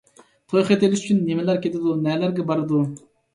توي خېتى ئېلىش ئۈچۈن نېمىلەر كېتىدۇ؟ نەلەرگە بارىدۇ؟